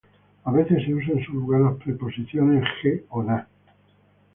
A veces se usa en su lugar las preposiciones "je" o "na".